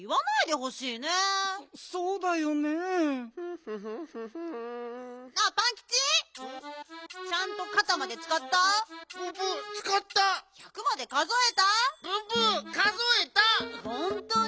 ほんとに？